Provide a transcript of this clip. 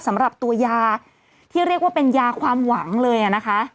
สำหรับตัวยาที่เรียกว่าเป็นยาความหวังเลยนะคะ